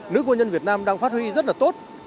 nữ quân nhân việt nam đang phát huy rất là tốt